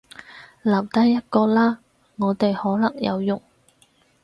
留低一個啦，我哋可能有用